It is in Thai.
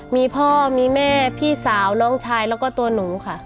มีพ่อมีแม่พี่สาวน้องชายแล้วก็ตัวหนูค่ะ